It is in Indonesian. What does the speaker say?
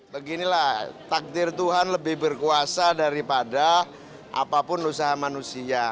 beginilah takdir tuhan lebih berkuasa daripada apapun usaha manusia